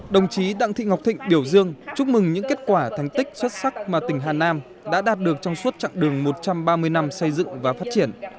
đồng chí đặng thị ngọc thịnh biểu dương chúc mừng những kết quả thành tích xuất sắc mà tỉnh hà nam đã đạt được trong suốt chặng đường một trăm ba mươi năm xây dựng và phát triển